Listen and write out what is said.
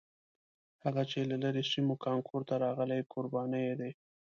هغه چې له لرې سیمو کانکور ته راغلي کوربانه یې دي.